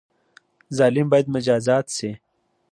ظالم باید مجازات شي